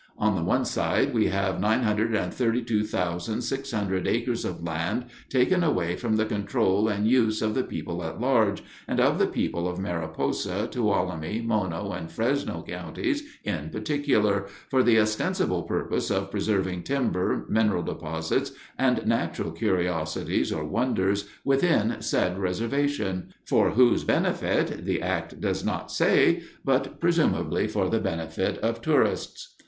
On the one side, we have 932,600 acres of land taken away from the control and use of the people at large, and of the people of Mariposa, Tuolumne, Mono, and Fresno counties in particular, for the ostensible purpose of preserving timber, mineral deposits, and natural curiosities or wonders within said reservation—for whose benefit, the act does not say, but presumably for the benefit of tourists.